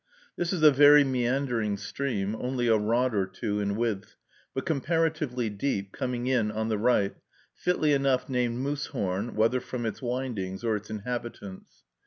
This is a very meandering stream, only a rod or two in width, but comparatively deep, coming in on the right, fitly enough named Moosehorn, whether from its windings or its inhabitants.